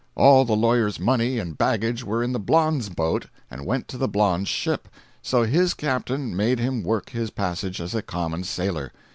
All the lawyer's money and baggage were in the blonde's boat and went to the blonde's ship—so his captain made him work his passage as a common sailor.